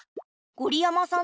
ごりやまさん？